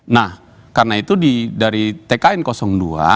nah karena itu dari tkn dua